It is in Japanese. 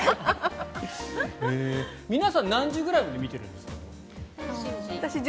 皆さん何時くらいまで見てるんですか？